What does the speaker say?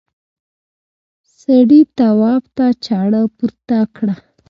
سړي تواب ته چاړه پورته کړه.